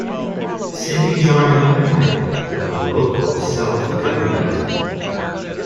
Cities are another type of local self-government.